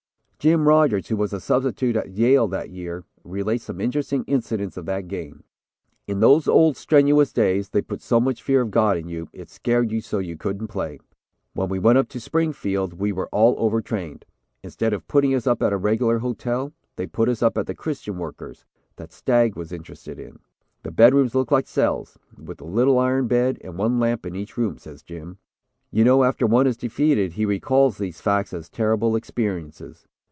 Jim Rodgers, who was a substitute at Yale that year, relates some interesting incidents of that game: "In those old strenuous days, they put so much fear of God in you, it scared you so you couldn't play. When we went up to Springfield, we were all over trained. Instead of putting us up at a regular hotel, they put us up at the Christian Workers, that Stagg was interested in. The bedrooms looked like cells, with a little iron bed and one lamp in each room," says Jim. "You know after one is defeated he recalls these facts as terrible experiences.